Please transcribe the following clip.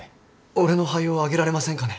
俺の肺をあげられませんかね？